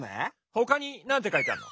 ほかになんてかいてあんの？